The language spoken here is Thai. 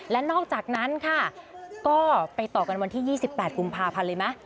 และนอกจากนั้นค่ะก็ไปต่อกันวันที่๒๘กุมภาพันธ์เลยไหม